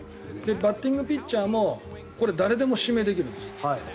バッティングピッチャーも誰でも指名できるんです。